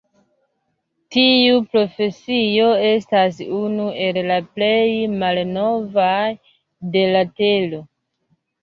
Tiu profesio estas unu el la plej malnovaj de la tero.